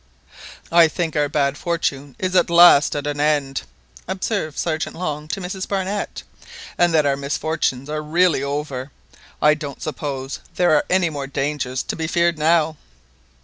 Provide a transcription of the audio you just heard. "I think our bad fortune is at last at an end," observed Sergeant Long to Mrs Barnett, "and that our misfortunes are really over; I don't suppose there are any more dangers to be feared now."